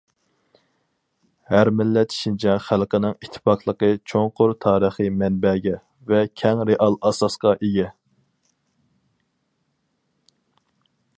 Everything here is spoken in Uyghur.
ھەر مىللەت شىنجاڭ خەلقنىڭ ئىتتىپاقلىقى چوڭقۇر تارىخىي مەنبەگە، ۋە كەڭ رېئال ئاساسقا ئىگە.